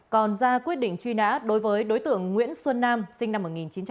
còn ra quyết định truy nã đối với đối tượng nguyễn xuân nam sinh năm một nghìn chín trăm tám mươi